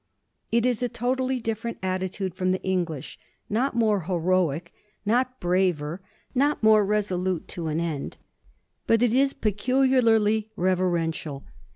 It is a totally different attitude from the English not more heroic, not braver, not more resolute to an end. But it is peculiarly reverential.